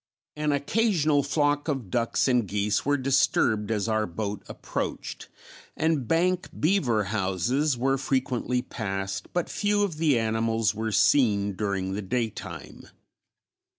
An occasional flock of ducks and geese were disturbed as our boat approached and bank beaver houses were frequently passed, but few of the animals were seen during the daytime.